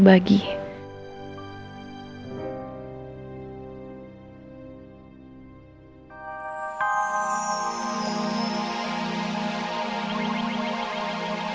masih gak bisa